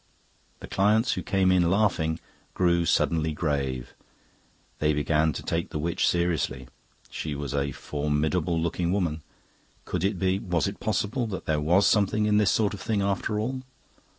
The clients who came in laughing grew suddenly grave; they began to take the witch seriously. She was a formidable looking woman; could it be, was it possible, that there was something in this sort of thing after all?